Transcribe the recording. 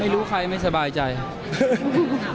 ไม่รู้ใครไม่สบายใจครับ